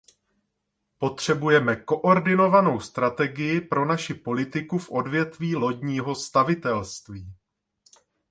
Potřebujeme koordinovanou strategii pro naši politiku v odvětví lodního stavitelství.